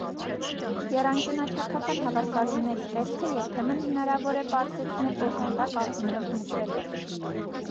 Եռանկյունաչափական հավասարումների տեսքը երբեմն հնարավոր է պարզեցնել օժանդակ արգումենտ մուծելով։